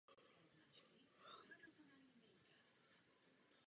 Momentálně hájí barvy Valašského Meziříčí.